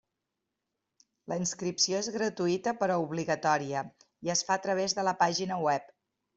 La inscripció és gratuïta però obligatòria i es fa a través de la pàgina web.